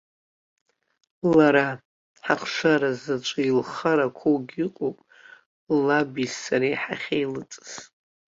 Лара, ҳахшара заҵәы, илхарақәоугьы ыҟоуп лаби сареи ҳахьеилыҵыз.